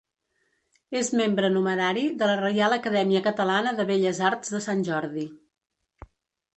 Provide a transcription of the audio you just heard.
És membre numerari de la Reial Acadèmia Catalana de Belles Arts de Sant Jordi.